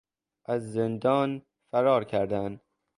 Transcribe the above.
از زندان فرار کردن